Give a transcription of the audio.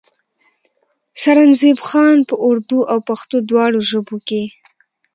سرنزېب خان پۀ اردو او پښتو دواړو ژبو کښې